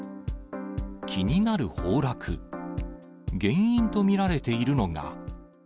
気になる崩落、原因と見られているのが。